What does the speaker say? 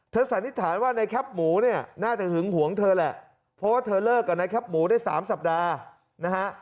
สันนิษฐานว่าในแคปหมูเนี่ยน่าจะหึงหวงเธอแหละเพราะว่าเธอเลิกกับนายแป๊บหมูได้๓สัปดาห์นะฮะ